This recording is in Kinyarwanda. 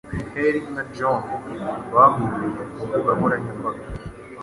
Hattie na John bahuriye ku mbuga nkoranyambaga,